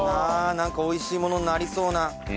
なんか美味しいものになりそうな。